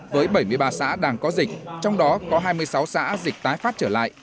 với bảy mươi ba xã đang có dịch trong đó có hai mươi sáu xã dịch tái phát trở lại